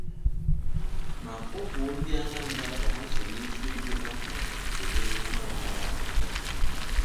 ma kpọkùo Ndị Anambra ka ha sonyesie ike n'atụmatụ 'Dobe Anambra Ọcha'